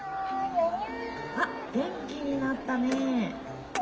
元気になったね。